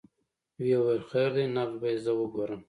ويې ويل خير دى نبض به يې زه وګورم.